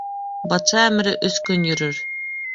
Батша әмере өс көн йөрөр.